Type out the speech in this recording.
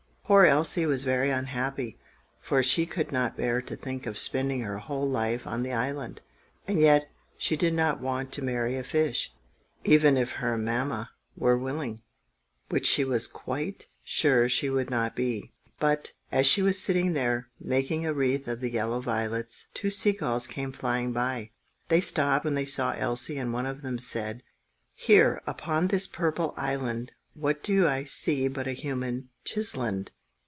Poor Elsie was very unhappy, for she could not bear to think of spending her whole life on the island, and yet she did not want to marry a fish, even if her Mamma were willing, which she was quite sure she would not be. But, as she was sitting there, making a wreath of the yellow violets, two sea gulls came flying by. They stopped when they saw Elsie, and one of them said,— "Here, upon this purple island, What do I see but a human chisland!"